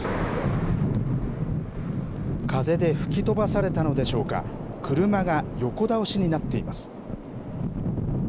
風で吹き飛ばされたのでしょうか、車が横倒しになっています。